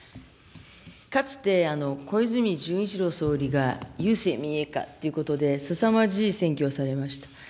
かつて小泉純一郎総理が、郵政民営化ということで、すさまじい選挙をされました。